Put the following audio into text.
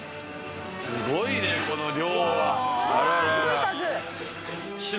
すごいねこの量は。